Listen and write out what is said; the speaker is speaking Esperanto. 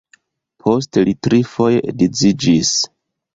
Poste li trifoje edziĝis.